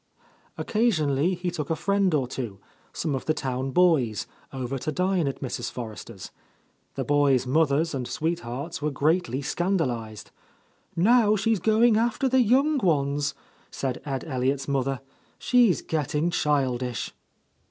Occasionally he took a friend or two, some of the town boys, over to dine at Mrs. Forrester's. The boys' mothers and sweethearts were greatly scandalized. "Now she's after the young ones," said Ed Elliott's mother. "She's getting childish."